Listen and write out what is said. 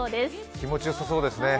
気持ちよさそうですね